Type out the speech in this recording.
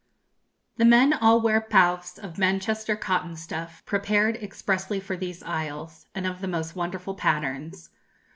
"The men all wear pavus of Manchester cotton stuff, prepared expressly for these isles, and of the most wonderful patterns.